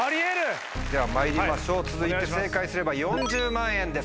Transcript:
ではまいりましょう続いて正解すれば４０万円です。